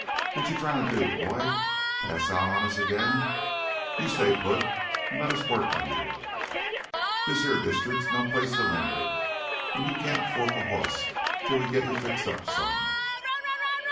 "What you tryin' to do, boy? Pass out on us agin? You stay put an' let us work on you! This heah district's no place to linger, an' you can't fork a hoss 'til we git you fixed up some."